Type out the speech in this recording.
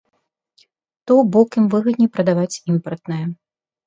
То бок ім выгадней прадаваць імпартнае.